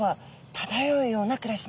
漂うような暮らし。